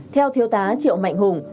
theo thiêu tá triệu mạnh hùng